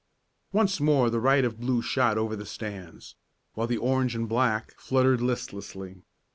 Once more the riot of blue shot over the stands, while the orange and black fluttered listlessly.